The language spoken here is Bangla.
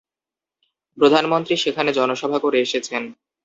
প্রধানমন্ত্রী সেখানে জনসভা করে এসেছেন।